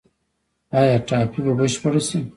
آیا ټاپي به بشپړه شي؟